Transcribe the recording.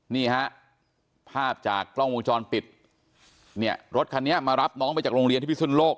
นี่ฮะภาพจากกล้องวงจรปิดเนี่ยรถคันนี้มารับน้องไปจากโรงเรียนที่พิสุนโลก